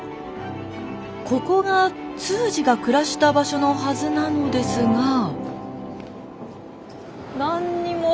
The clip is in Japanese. ここが通詞が暮らした場所のはずなのですが。